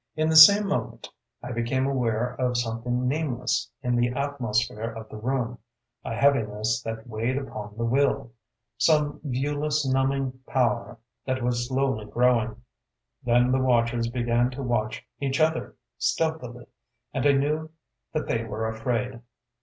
"In the same moment I became aware of something nameless in the atmosphere of the room, a heaviness that weighed upon the will, some viewless numbing power that was slowly growing. Then the watchers began to watch each other, stealthily; and I knew that they were afraid.